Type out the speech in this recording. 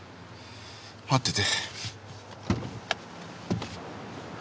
待ってて。